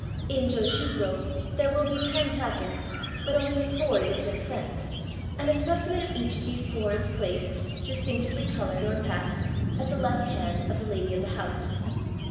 In joss huko there will be ten packets, but only four different scents, and a specimen of each of these four is placed, distinctively colored or packed, at the left hand of the lady of the house.